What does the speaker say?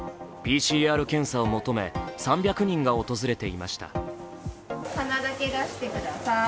ＰＣＲ検査を求め、３００人が訪れていました。